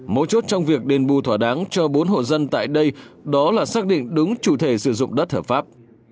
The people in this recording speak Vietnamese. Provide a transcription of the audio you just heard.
mốt chốt trong việc đền bù thỏa đáng cho bốn hộ dân tại đây đó là xác định đúng chủ thể sử dụng đất hợp pháp